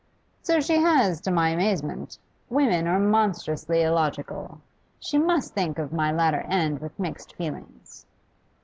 'So she has, to my amazement. Women are monstrously illogical. She must think of my latter end with mixed feelings.